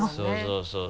そうそう。